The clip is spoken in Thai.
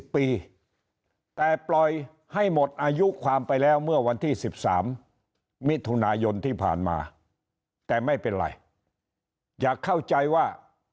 แต่ปล่อยให้หมดอายุความไปแล้วเมื่อวันที่๑๓มิถุนายนที่ผ่านมาแต่ไม่เป็นไรอย่าเข้าใจว่า